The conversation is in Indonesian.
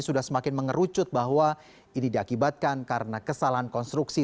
sudah semakin mengerucut bahwa ini diakibatkan karena kesalahan konstruksi